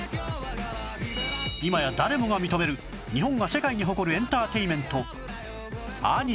今や誰もが認める日本が世界に誇るエンターテインメントアニメ